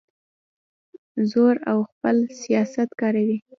زور او خپل صلاحیت کاروي.